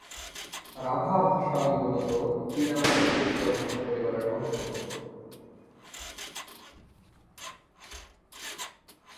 রাভা ভাষা মূলত চীনা-তিব্বতীয় ভাষা পরিবারের অন্তর্গত।